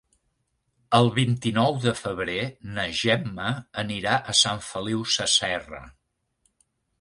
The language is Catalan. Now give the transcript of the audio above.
El vint-i-nou de febrer na Gemma anirà a Sant Feliu Sasserra.